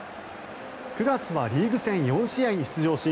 ９月はリーグ戦４試合に出場し